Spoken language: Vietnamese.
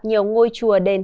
nhiều người đã đặt vé sát